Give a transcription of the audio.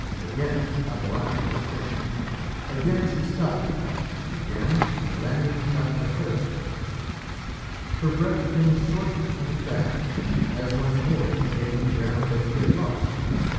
Again Atalanta was tempted. Again she stopped, and again Milanion shot ahead of her. Her breath came short and fast, as once more she gained the ground that she had lost.